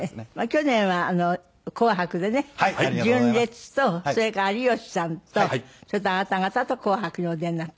去年は『紅白』でね純烈とそれから有吉さんとそれとあなた方と『紅白』にお出になった。